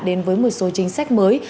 đến với một số chính sách mới